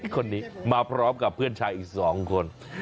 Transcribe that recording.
คนนี้มาพร้อมกับเพื่อนชายอีก๒คน